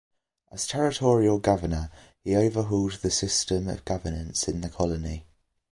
As territorial governor, he overhauled the system of governance in the colony.